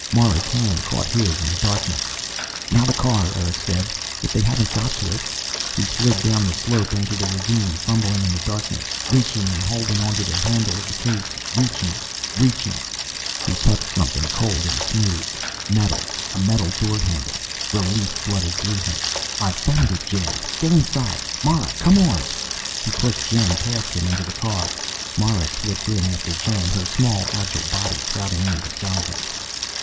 Mara's hand caught his in the darkness. "Now the car," Erick said. "If they haven't got to it." He slid down the slope into the ravine, fumbling in the darkness, reaching and holding onto the handle of the case. Reaching, reaching He touched something cold and smooth. Metal, a metal door handle. Relief flooded through him. "I've found it! Jan, get inside. Mara, come on." He pushed Jan past him, into the car. Mara slipped in after Jan, her small agile body crowding in beside him.